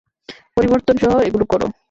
পরিবর্তন সহ এগুলো করো।